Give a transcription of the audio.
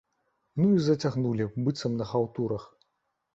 Ну і зацягнулі, быццам на хаўтурах.